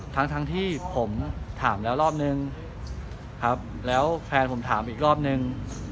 ทั้งทั้งที่ผมถามแล้วรอบนึงครับแล้วแฟนผมถามอีกรอบนึง